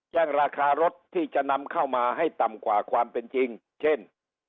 ราคารถที่จะนำเข้ามาให้ต่ำกว่าความเป็นจริงเช่น